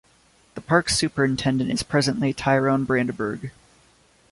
The Park's Superintendent is presently Tyrone Brandyburg.